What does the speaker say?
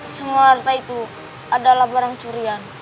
semua harta itu adalah barang curian